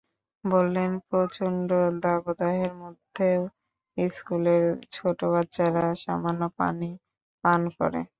বললেন, প্রচণ্ড দাবদাহের মধ্যেও স্কুলের ছোট বাচ্চারা সামান্য পানি পান করে।